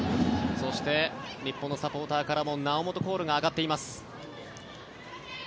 そして、日本のサポーターからも猶本コールが上がっています。